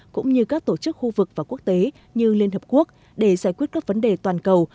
cũng như các tổ chức khu vực và quốc tế như liên hợp quốc để giải quyết các vấn đề toàn cầu